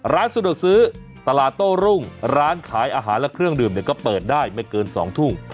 ร้านสะดวกซื้อตลาดโต้รุ่งร้านขายอาหารและเครื่องดื่มเนี่ยก็เปิดได้ไม่เกิน๒ทุ่ม